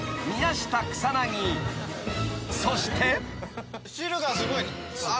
［そして］